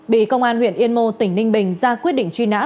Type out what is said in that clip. bị công an huyện yên mô tỉnh ninh bình ra quyết định truy nã